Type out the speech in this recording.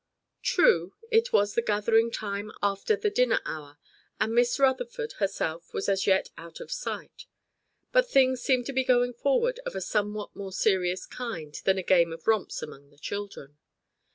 True, it was the gathering time after the dinner hour, and Miss Rutherford herself was as yet out of sight; but things seemed to be going forward of a somewhat more serious kind than a game of romps among the children.